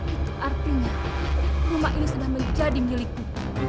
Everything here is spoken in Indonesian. itu artinya rumah ini sudah menjadi milikmu